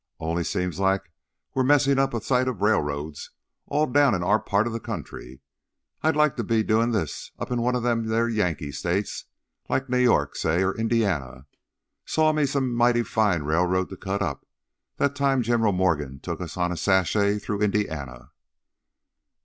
Only, seems like we're messin' up a sight of railroads, all down in our own part of the country. I'd like to be doin' this up in one of them theah Yankee states like New York, say, or Indiana. Saw me some mighty fine railroads to cut up, that time General Morgan took us on a sashay through Indiana."